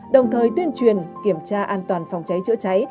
đồng thời tuyên truyền kiểm tra an toàn phòng cháy chữa cháy